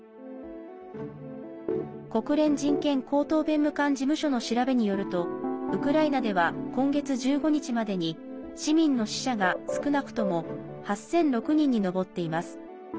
国連人権高等弁務官事務所の調べによるとウクライナでは今月１５日までに市民の死者が少なくとも８００６人に上っています。